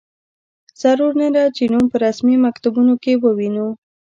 ضرور نه ده چې نوم په رسمي مکتوبونو کې ووینو.